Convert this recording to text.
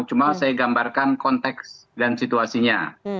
cuma saya gambarkan konteks dan situasinya